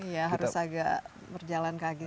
iya harus agak berjalan kagih sedikit